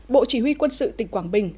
bộ chỉ huy quân sự tỉnh quảng bình